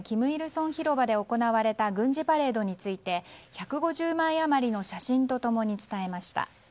成広場で行われた軍事パレードについて１５０枚余りの写真と共に伝えました。